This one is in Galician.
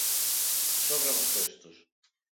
Sobran os textos!